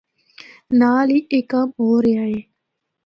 نال ہی اے کم ہو رہیا اے۔